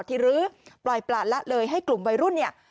หรือปล่อยประละเลยให้กลุ่มวัยรุ่นเนี่ย